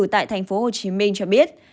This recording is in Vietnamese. tại tp hcm cho biết